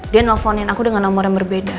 dia nelfonin aku dengan nomor yang berbeda